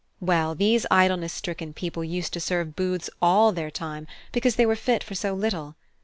Well, these Idleness stricken people used to serve booths all their time, because they were fit for so little.